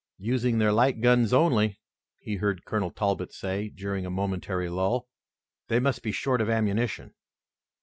"Using their light guns only," he heard Colonel Talbot say during a momentary lull. "They must be short of ammunition."